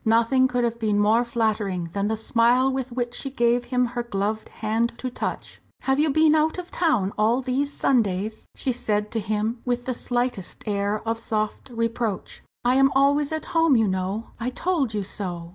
Nothing could have been more flattering than the smile with which she gave him her gloved hand to touch. "Have you been out of town all these Sundays?" she said to him, with the slightest air of soft reproach. "I am always at home, you know I told you so!"